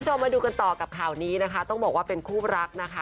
มาดูกันต่อกับข่าวนี้นะคะต้องบอกว่าเป็นคู่รักนะคะ